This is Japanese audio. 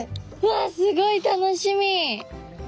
わあすごい楽しみ！